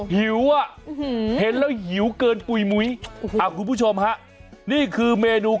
หิวอ่ะเห็นแล้วหิวเกินปุ๋ยมุ้ยคุณผู้ชมฮะนี่คือเมนู